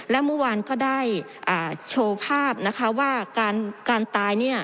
แล้วเมื่อวานก็ได้อ่าโชว์ภาพนะคะว่าการการตายเนี่ย